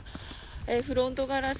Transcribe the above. フロントガラス